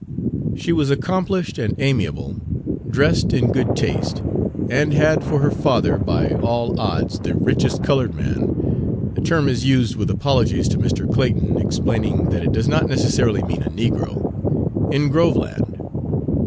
She was accomplished and amiable, dressed in good taste, and had for her father by all odds the richest colored man the term is used with apologies to Mr. Clayton, explaining that it Page 98 does not necessarily mean a negro in Groveland.